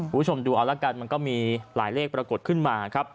คุณผู้ชมดูเอาละกันมันก็มีหลายเลขปรากฏขึ้นมาครับ